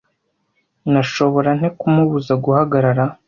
Nashobora nte kumubuza guhagarara?